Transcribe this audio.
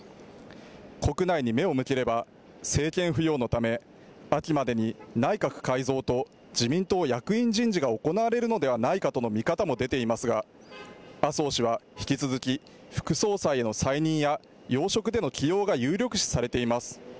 国内に目を向ければ政権浮揚のため秋までに内閣改造と自民党役員人事が行われるのではないかとの見方も出ていますが麻生氏は引き続き副総裁への再任や要職での起用が有力視されています。